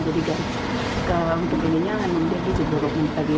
jadi untuk ininya memang dia gizi buruk